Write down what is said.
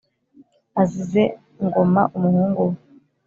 azize Ngoma umuhungu we.